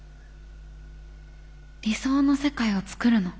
理想の世界を創るの。